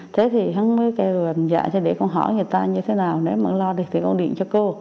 thế thì hân mới kêu là dạ cho để con hỏi người ta như thế nào nếu mà hân lo được thì con điện cho cô